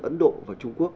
ấn độ và trung quốc